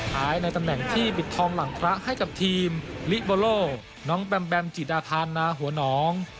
หายในตำแหน่งที่บิดทอมหลังคละให้กับทีมลิบอลโลน้องแบมแบมจิดอาทานนะหัวน้อง